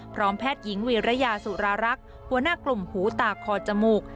พร้อมแพทย์หญิงวีรยาสุรารักษ์หัวหน้ากลุ่มหูตาคอจมูก